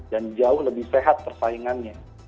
dan jauh lebih sehat persaingannya